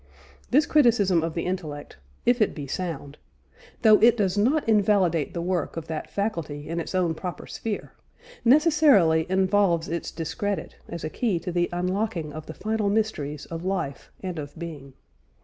This criticism of the intellect (if it be sound), though it does not invalidate the work of that faculty in its own proper sphere, necessarily involves its discredit as a key to the unlocking of the final mysteries of life and of being.